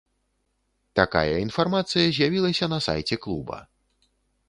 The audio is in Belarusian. Такая інфармацыя з'явілася на сайце клуба.